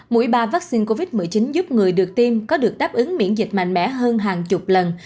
mũi ba vaccine covid một mươi chín giúp người được tiêm có được đáp ứng miễn dịch mạnh mẽ hơn hàng chục lần